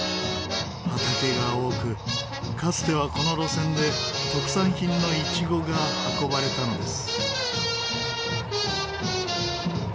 畑が多くかつてはこの路線で特産品のイチゴが運ばれたのです。